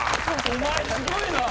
お前すごいな。